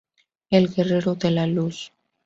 El guerrero de la luz.